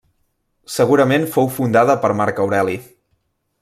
Segurament fou fundada per Marc Aureli.